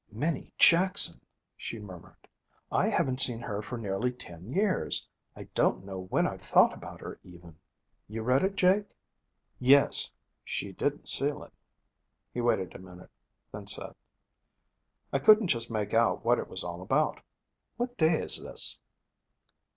'Minnie Jackson!' she murmured. 'I haven't seen her for nearly ten years. I don't know when I've thought about her, even. You read it, Jake?' 'Yes. She didn't seal it.' He waited a minute, then said, 'I couldn't just make out what it was all about. What day is this?'